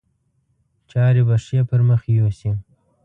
چارې به ښې پر مخ یوسي.